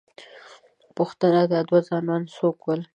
_پوښتنه، دا دوه ځوانان څوک ول؟